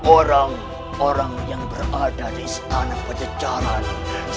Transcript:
orang orang yang berada di tanah pasundan ini